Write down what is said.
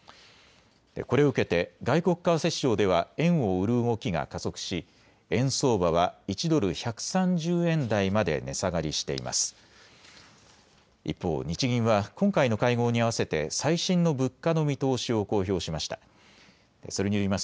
これを受けて外国為替市場では円を売る動きが加速し円相場は１ドル１３０円台まで値下がりしています。